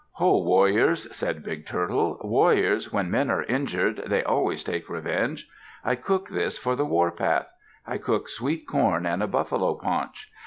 "Ho, warriors!" said Big Turtle. "Warriors, when men are injured, they always take revenge. I cook this for the warpath. I cook sweet corn and a buffalo paunch.